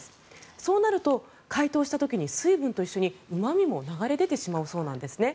そうなると、解凍した時に水分と一緒にうま味も流れ出てしまうそうなんです。